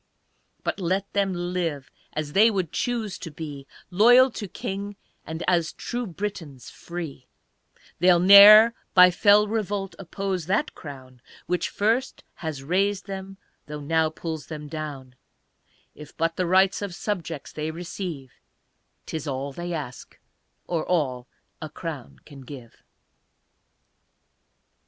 But let them live, as they would choose to be, Loyal to King, and as true Britons free, They'll ne'er by fell revolt oppose that crown Which first has raised them, though now pulls them down; If but the rights of subjects they receive, 'Tis all they ask or all a crown can give.